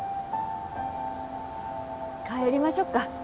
帰りましょっか。